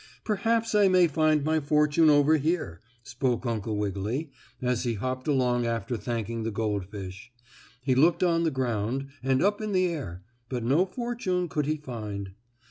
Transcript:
"Perhaps I may find my fortune over here," spoke Uncle Wiggily, as he hopped along after thanking the goldfish. He looked on the ground, and up in the air, but no fortune could he find.